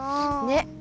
ねっ。